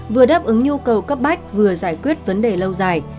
vừa đáp ứng nhu cầu cấp bách vừa giải quyết vấn đề lâu dài